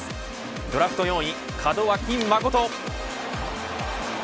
ドラフト４位門脇誠。